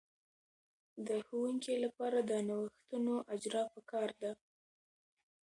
د ښوونکې لپاره د نوښتونو اجراء په کار ده.